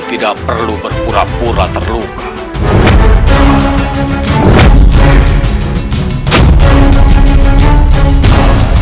tidak perlu berpura pura terluka